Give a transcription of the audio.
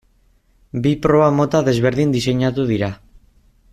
Bi proba mota desberdin diseinatu dira.